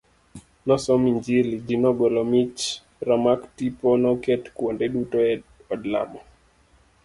Nosom injili, ji nogolo mich, ramak tipo noket kuonde duto e od lamo.